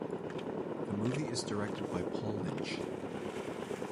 The movie is directed by Paul Lynch.